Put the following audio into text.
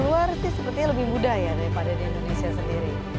luar sih sepertinya lebih mudah ya daripada di indonesia sendiri